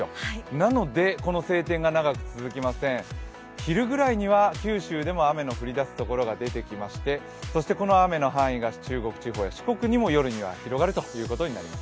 なので、この晴天が長く続きません昼ぐらいには九州でも雨の降りだす所が出てきまして、この雨の範囲が中国地方や四国地方に夜には広がるということです。